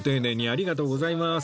ありがとうございます。